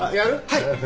はい！